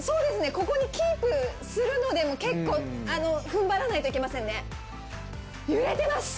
ここにキープするのでも結構あの踏ん張らないといけませんね。